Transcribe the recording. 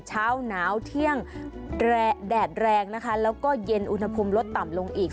เช้าหนาวเที่ยงแดดแรงนะคะแล้วก็เย็นอุณหภูมิลดต่ำลงอีก